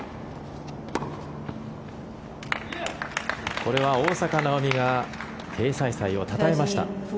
これは大坂なおみがテイ・サイサイをたたえました。